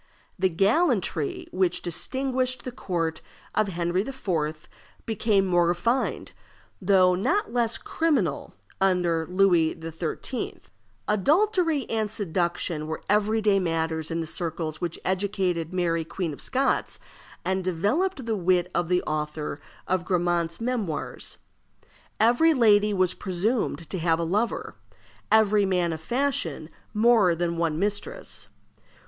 The gallantry which distinguished the court of Henry IV. became more refined, though not less criminal, under Louis XIII. Adultery and seduction were every day matters in the circles which educated Mary, Queen of Scots, and developed the wit of the author of Grammont's Memoirs. Every lady was presumed to have a lover; every man of fashion more than one mistress.